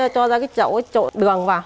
cho ra cái chậu trộn đường vào